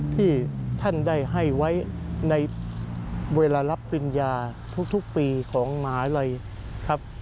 ที่ท่านได้ให้ไว้ในเวลารับปริญญาทุกปีของมหาลัยครับ